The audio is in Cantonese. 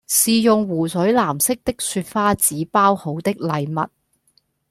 是用湖水藍色的雪花紙包好的禮物，